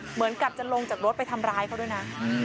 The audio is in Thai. เหมือนกับจะลงจากรถไปทำร้ายเขาด้วยนะ